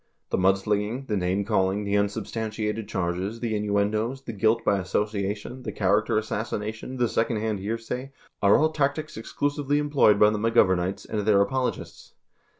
The mudslinging, the name calling, the unsubstantiated charges, the innuendoes, the guilt by association, the character assassination, the second hand hearsay are all tactics exclusively employed by the McGovem ites and their apologists.